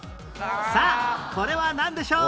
さあこれはなんでしょう？